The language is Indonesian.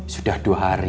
sudah dua hari